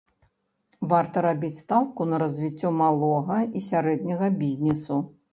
Варта рабіць стаўку на развіццё малога і сярэдняга бізнесу.